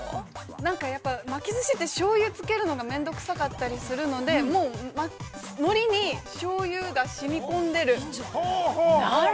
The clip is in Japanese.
◆なんかやっぱり、巻きずしって、しょうゆつけるのが面倒くさかったりするので、もう、海苔にしょうゆが染み込んでる。